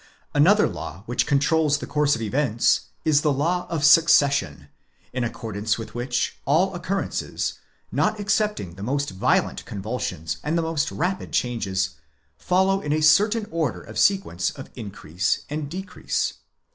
Another law which controls the course of events is the law of succession, in accordance with which all occurrences, not excepting the most violent con vulsions and the most rapid changes, follow in a certain order of sequence of increase and decrease.